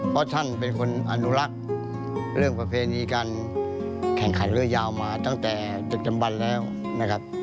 เพราะท่านเป็นคนอนุรักษ์เรื่องประเพณีการแข่งขันเรือยาวมาตั้งแต่ตึกจำบันแล้วนะครับ